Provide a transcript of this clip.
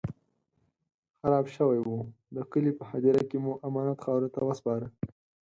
خراب شوی و، د کلي په هديره کې مو امانت خاورو ته وسپاره.